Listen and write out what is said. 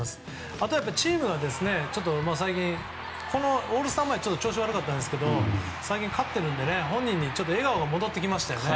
あとはチームが最近オールスター前調子悪かったんですけど最近勝っているので本人に笑顔が戻ってきましたよね。